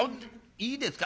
いいですか？